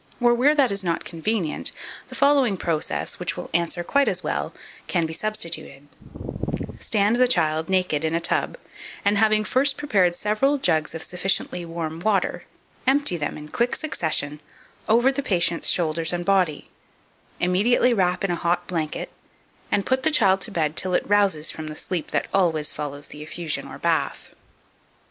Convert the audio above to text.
Or, where that is not convenient, the following process, which will answer quite as well, can be substituted: Stand the child, naked, in a tub, and, having first prepared several jugs of sufficiently warm water, empty them, in quick succession, over the patient's shoulders and body; immediately wrap in a hot blanket, and put the child to bed till it rouses from the sleep that always follows the effusion or bath.